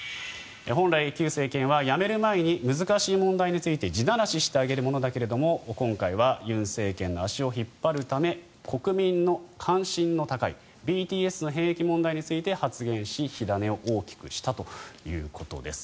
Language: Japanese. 本来、旧政権はやめる前に難しい問題について地ならししてあげるものだけれど今回は尹政権の足を引っ張るため国民の関心の高いＢＴＳの兵役問題について発言し火種を大きくしたということです。